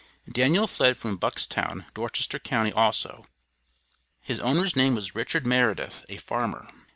Daniel fled from Buckstown, Dorchester Co., also. His owner's name was Richard Meredith, a farmer.